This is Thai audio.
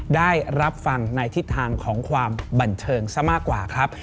ได้รับฟังในทิศทางของความบันเทิงซะมากกว่าครับ